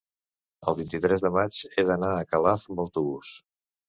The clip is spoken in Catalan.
el vint-i-tres de maig he d'anar a Calaf amb autobús.